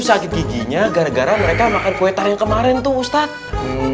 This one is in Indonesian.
sakit giginya gara gara mereka makan kue tar yang kemarin tuh ustadz